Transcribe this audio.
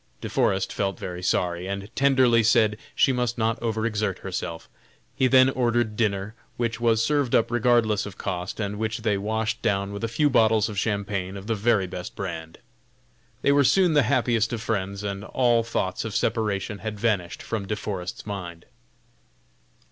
De Forest felt very sorry, and tenderly said she must not over exert herself. He then ordered dinner, which was served up regardless of cost, and which they washed down with a few bottles of champagne of the very best brand. They were soon the happiest of friends, and all thoughts of separation had vanished from De Forest's mind.